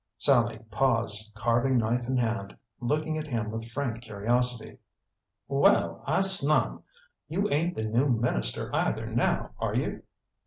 Sallie paused, carving knife in hand, looking at him with frank curiosity. "Well, I snum! You ain't the new minister either, now, are you?"